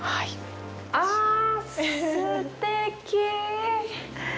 あ、すてき。